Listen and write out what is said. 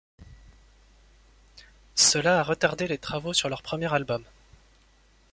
Cela a retardé les travaux sur leur premier album.